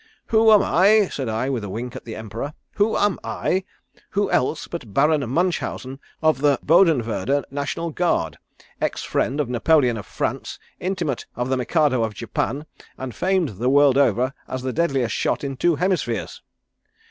'Who am I?' said I, with a wink at the Emperor. 'Who am I? Who else but Baron Munchausen of the Bodenwerder National Guard, ex friend of Napoleon of France, intimate of the Mikado of Japan, and famed the world over as the deadliest shot in two hemispheres.'